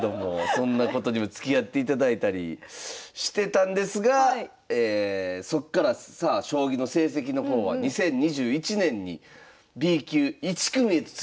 そんなことにもつきあっていただいたりしてたんですがそっからさあ将棋の成績の方は２０２１年にＢ級１組へとついに昇級されて。